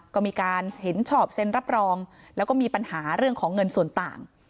ก็มีการเห็นชอบเซ็นรับรองแล้วก็มีปัญหาเรื่องของเงินส่วนต่าง